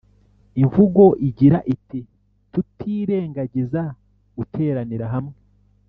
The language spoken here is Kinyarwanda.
imvugo igira iti tutirengagiza guteranira hamwe